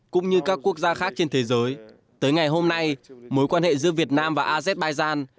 cũng như các quốc gia khác trên thế giới tới ngày hôm nay mối quan hệ giữa việt nam và azerbaijan